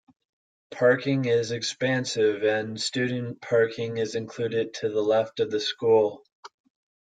Parking is expansive and student parking is included to the left of the school.